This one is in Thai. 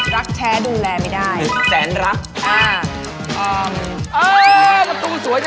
รักแท้ดูแลไม่ได้แสนรักอ่าเอ่อเย้